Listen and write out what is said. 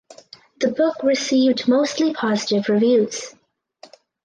The book received mostly positive reviews.